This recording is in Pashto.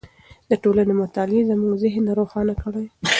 د ټولنې مطالعې زموږ ذهن روښانه کړی دی.